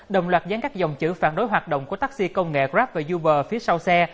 đồng loạt gián các dòng chữ phản đối hoạt động của taxi công nghệ grab và uber phía sau xe